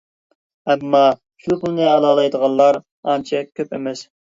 ئامما شۇ پۇلنى ئالالايدىغانلار ئانچە كۆپ ئەمەس.